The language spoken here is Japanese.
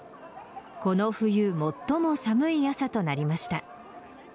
この冬、最も寒い朝となりました。